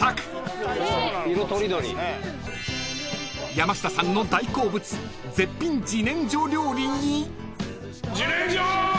［山下さんの大好物絶品自然薯料理に］